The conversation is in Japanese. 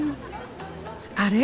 あれ？